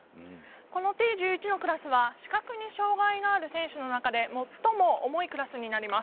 このＴ１１のクラスは視覚に障がいのある選手の中で最も重いクラスになります。